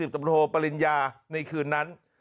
ตำรวจโทปริญญาในคืนนั้น